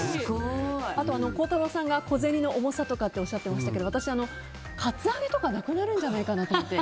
あと、孝太郎さんが小銭の重さっておっしゃってましたけど私、カツアゲとかがなくなるんじゃないかと思って。